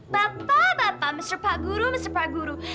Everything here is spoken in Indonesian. bapak bapak mr pak guru mr pak guru